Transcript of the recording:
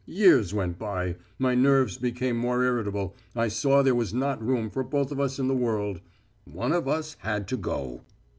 Years went by. My nerves became more irritable I saw there was not room for both of us in the world. One of us had to go.